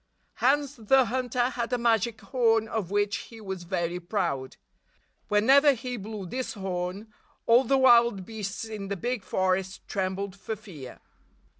Hans the Hunter had a magic horn of which he was very proud. Whenever he blew this horn, all the wild beasts in the big forest trembled for fear.